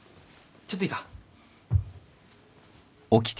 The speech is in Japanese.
ちょっといいか？